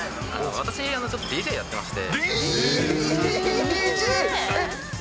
私ちょっと、ＤＪやってまして。